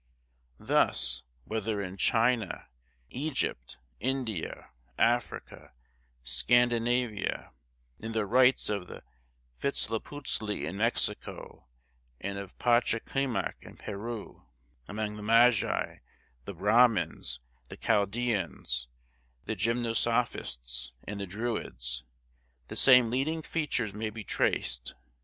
Thus, whether in China, Egypt, India, Africa, Scandinavia, in the rites of Vitzliputzli in Mexico, and of Pacha Camac, in Peru, among the Magi, the Brahmins, the Chaldæans, the Gymnosophists, and the Druids, the same leading features may be traced.